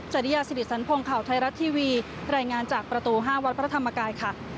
จริยาสิริสันพงศ์ข่าวไทยรัฐทีวีรายงานจากประตู๕วัดพระธรรมกายค่ะ